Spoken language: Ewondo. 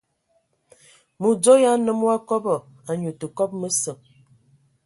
Mədzo ya nnəm wa kɔbɔ, anyu tə kɔbɔ məsə.